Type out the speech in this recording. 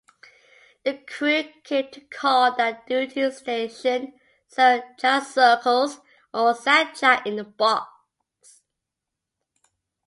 The crew came to call that duty station 'San-Jacircles' or 'San-Jac in the Box'.